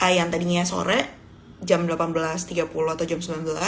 yang tadinya sore jam delapan belas tiga puluh atau jam sembilan belas